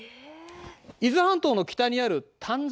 伊豆半島の北にある丹沢